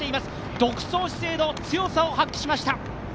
独走姿勢の強さを発揮しました。